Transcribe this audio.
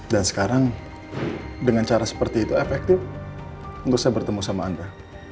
dan sekarang dengan cara seperti itu efektif untuk saya bertemu sama anda